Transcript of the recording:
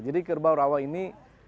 jadi kerbau rawa ini